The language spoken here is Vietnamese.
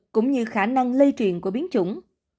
cũng như khả năng lây truyền của biến chủng